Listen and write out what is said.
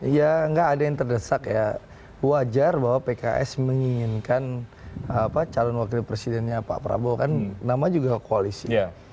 ya nggak ada yang terdesak ya wajar bahwa pks menginginkan calon wakil presidennya pak prabowo kan nama juga koalisi